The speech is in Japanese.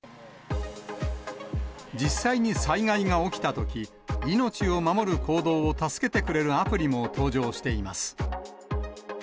実際に災害が起きたとき、命を守る行動を助けてくれるアプリも登場しています。